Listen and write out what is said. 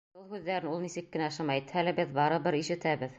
Был һүҙҙәрен ул нисек кенә шым әйтһә лә, беҙ барыбер ишетәбеҙ.